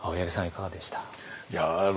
いかがでした？